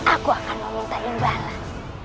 aku akan meminta imbalan